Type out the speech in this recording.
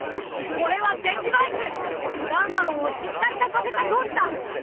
これはデジヴァイスガンマモンを実体化させた装置だ！